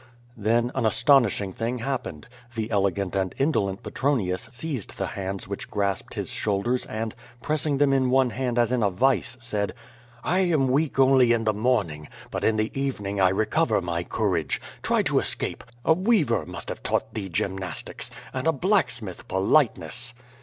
Then an astonishing thing happened. The elegant and indolent Petronius seized the hands which grasped his shoul der, and, pressing them in one hand as in a vice, said: "I am weak only in the morning, but in the evening I re cover my courage. Try to escape. A weaver must have taught thee gymnastics, and a blacksmith politeness."